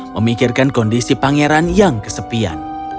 memikirkan kondisi pangeran yang kesepian